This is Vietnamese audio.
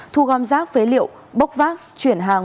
thu gom rác phế liệu bốc vác chuyển hàng